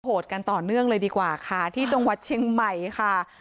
กันต่อเนื่องเลยดีกว่าค่ะที่จังหวัดเชียงใหม่ค่ะ